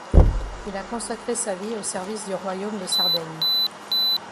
Il a consacré sa vie au service du royaume de Sardaigne.